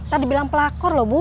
tadi bilang pelakor loh bu